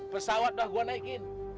pesawat dah gua naikin